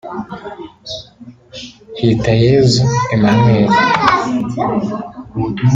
Hitayezu Emmanuel